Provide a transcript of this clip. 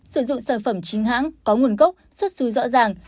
sử dụng sản phẩm chính hãng có nguồn gốc xuất xứ rõ ràng